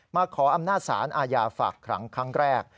ขออำนาจศาลอาญาฝากขังครั้งแรก